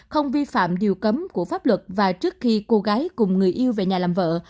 không vi phạm điều cấm của pháp luật và trước khi cô gái cùng người yêu về nhà làm vợ